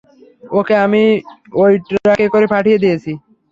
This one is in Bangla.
ওকে আমি ওই ট্রাকে করে পাঠিয়ে দিয়েছি।